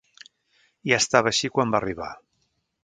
Ja estava així quan va arribar.